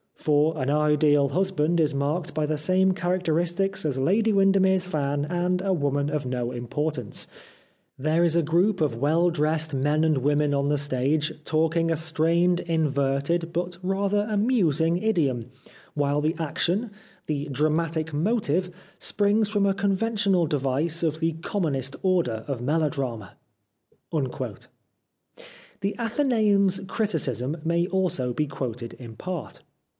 For ' An Ideal Husband ' is marked by the same characteristics as ' Lady Windermere's Fan ' and ' A Woman of No Im portance.' There is a group of well dressed men and women on the stage talking a strained inverted but rather amusing idiom, while the action, the dramatic motive springs from a con ventional device of the commonest order of melodrama." The AthencBum's criticism may also be quoted in part.